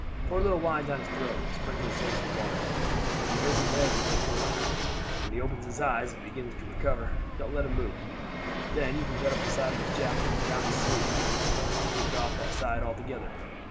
Pour a little wine down his throat, and sprinkle his face with water. Raise his head and put a coat under it, and when he opens his eyes and begins to recover, don't let him move. Then you can cut up the side of his jacket and down the sleeve, so as to get it off that side altogether.